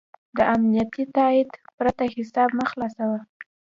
د امنیتي تایید پرته حساب مه خلاصوه.